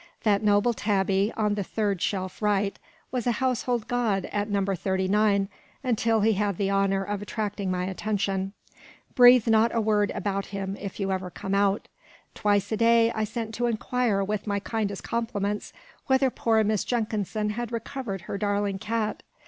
That noble tabby, on the third shelf right, was a household god at No. 39, until he had the honour of attracting my attention. Breathe not a word about him, if you ever come out. Twice a day, I sent to inquire, with my kindest compliments, whether poor Miss Jenkinson had recovered her darling cat.